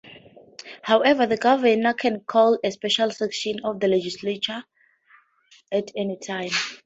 However the Governor can call a special session of the legislature at any time.